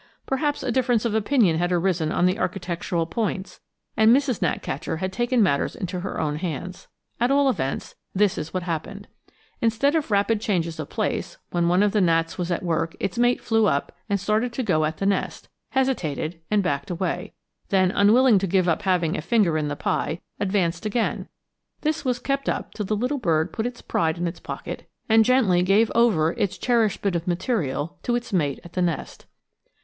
Perhaps a difference of opinion had arisen on architectural points, and Mrs. Gnatcatcher had taken matters into her own hands. At all events, this is what happened: instead of rapid changes of place, when one of the gnats was at work its mate flew up and started to go to the nest, hesitated, and backed away; then unwilling to give up having a finger in the pie, advanced again. This was kept up till the little bird put its pride in its pocket, and gently gave over its cherished bit of material to its mate at the nest!